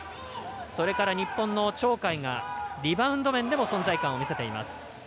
日本の鳥海がリバウンド面でも存在を見せています。